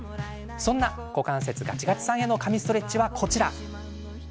そんな股関節ガチガチさんへの神ストレッチは、こちら。